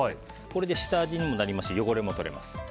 これで下味にもなりますし汚れも取れます。